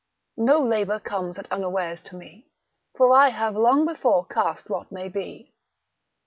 No labour comes at unawares to me, For I have long before cast what may be.